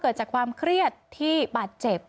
เกิดจากความเครียดที่บาดเจ็บ